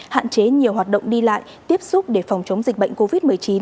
hạn chế nhiều hoạt động đi lại tiếp xúc để phòng chống dịch bệnh covid một mươi chín